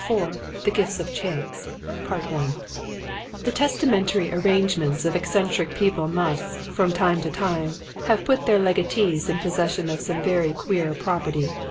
IV THE GIFTS OF CHANCE The testamentary arrangements of eccentric people must, from time to time, have put their legatees in possession of some very queer property.